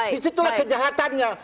di situlah kejahatannya